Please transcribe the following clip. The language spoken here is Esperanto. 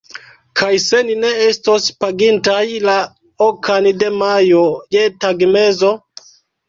Kaj se ni ne estos pagintaj, la okan de majo, je tagmezo?